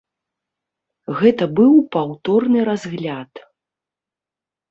Гэта быў паўторны разгляд.